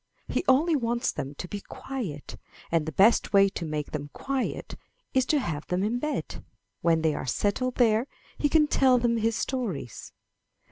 He only wants them to be quiet, and the best way to make them quiet is to have them in bed; when they are settled there, he can tell them his stories.